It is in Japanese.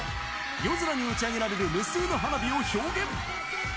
夜空に打ち上げられる無数の花火を表現。